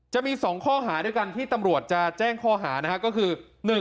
จะมี๒ข้อหาด้วยกันที่ตำรวจจะแจ้งข้อหานะครับก็คือ